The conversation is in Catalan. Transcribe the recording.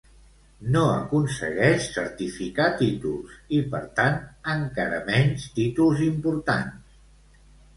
No aconsegueix certificar títols i, per tant, encara menys títols importants.